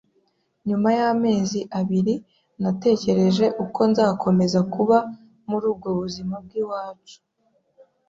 Nyuma y’amezi abiri natekereje uko nzakomeza kuba muri ubwo buzima bw’iwacu,